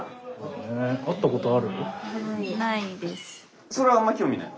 え会ったことある？